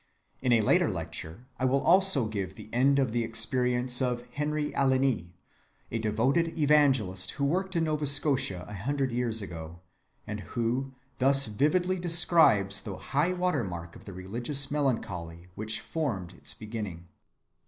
In a later lecture I will also give the end of the experience of Henry Alline, a devoted evangelist who worked in Nova Scotia a hundred years ago, and who thus vividly describes the high‐water mark of the religious melancholy which formed its beginning.